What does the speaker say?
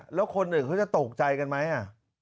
แล้วคนอื่นเขาจะตกใจกันไหม